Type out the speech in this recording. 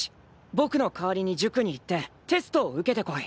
ぼくの代わりに塾に行ってテストを受けてこい！